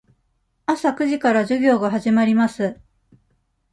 朝九時から授業が始まります。